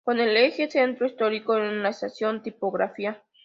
Con el eje Centro Histórico en la estación "Tipografía".